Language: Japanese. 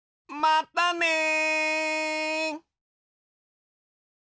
またね！